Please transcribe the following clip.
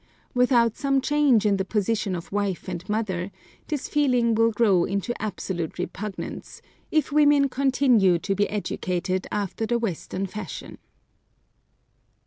Without some change in the position of wife and mother, this feeling will grow into absolute repugnance, if women continue to be educated after the Western fashion.